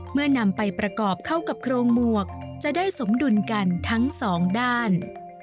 นำไปประกอบเข้ากับโครงหมวกจะได้สมดุลกันทั้งสองด้าน